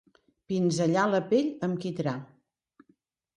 Pinzellar la pell amb quitrà.